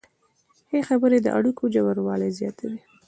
ښې خبرې د اړیکو ژوروالی زیاتوي.